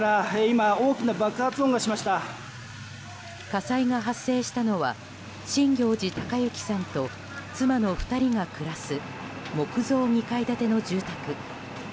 火災が発生したのは新行内隆之さんと妻の２人が暮らす木造２階建ての住宅。